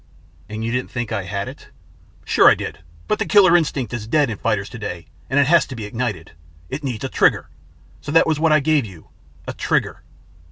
"And you didn't think I had it?" "Sure I did. But the killer instinct is dead in fighters today and it has to be ignited. It needs a trigger, so that was what I gave you a trigger."